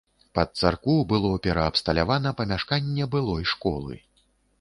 Пад царкву было пераабсталявана памяшканне былой школы.